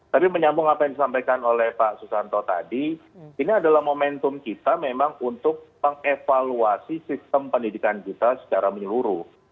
tapi menyambung apa yang disampaikan oleh pak susanto tadi ini adalah momentum kita memang untuk mengevaluasi sistem pendidikan kita secara menyeluruh